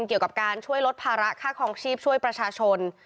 เกี่ยวกับการช่วยลดภาระค่าคลองชีพช่วยประชาชน